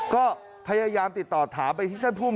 ก็พยายามติดต่อถามไปที่ท่านภูมิ